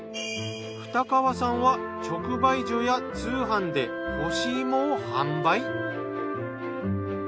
二川さんは直売所や通販で干し芋を販売。